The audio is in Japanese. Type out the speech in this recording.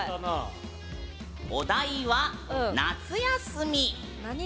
お題は「夏休み」。